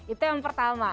itu yang pertama